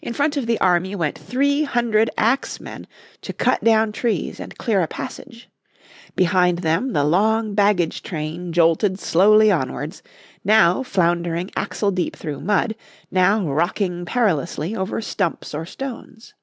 In front of the army went three hundred axemen to cut down trees and clear a passage. Behind them the long baggage train jolted slowly onwards, now floundering axle deep through mud, now rocking perilously over stumps or stones.